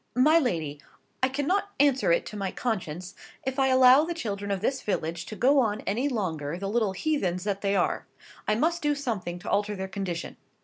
"My lady, I cannot answer it to my conscience, if I allow the children of this village to go on any longer the little heathens that they are. I must do something to alter their condition.